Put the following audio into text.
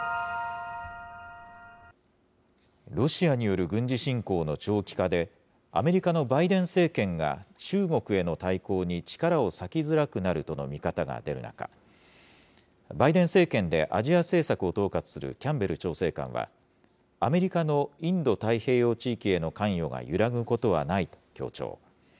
ロシアによる軍事侵攻の長期化で、アメリカのバイデン政権が中国への対抗に力を割きづらくなるとの見方が出る中、バイデン政権でアジア政策を統括するキャンベル調整官は、アメリカのインド太平洋地域への関与が揺らぐことはないと強調。